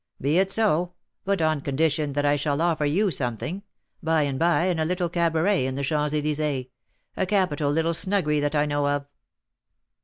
"Be it so, but on condition that I shall offer you something, by and by, in a little cabaret in the Champs Elysées, a capital little snuggery that I know of."